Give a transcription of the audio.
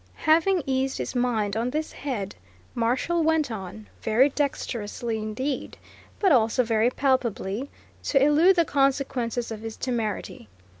Having eased his mind on this head, Marshall went on, very dexterously indeed, but also very palpably, to elude the consequences of his temerity.